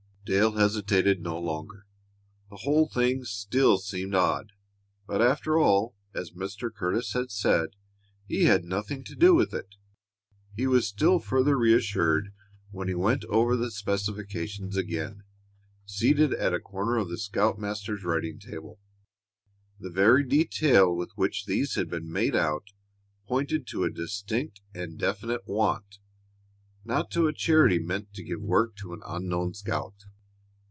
Dale hesitated no longer. The whole thing still seemed odd, but after all, as Mr. Curtis had said, he had nothing to do with that. He was still further reassured when he went over the specifications again, seated at a corner of the scoutmaster's writing table. The very detail with which these had been made out pointed to a distinct and definite want, not to a charity meant to give work to an unknown scout.